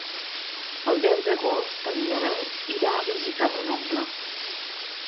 El deu d'agost en Nel irà a visitar mon oncle.